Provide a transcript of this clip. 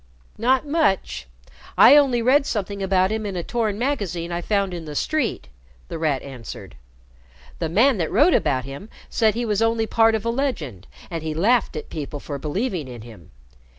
"Not much. I only read something about him in a torn magazine I found in the street," The Rat answered. "The man that wrote about him said he was only part of a legend, and he laughed at people for believing in him.